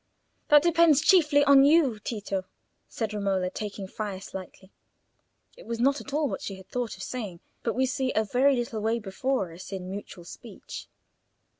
"That depends chiefly on you, Tito," said Romola, taking fire slightly. It was not at all what she had thought of saying, but we see a very little way before us in mutual speech.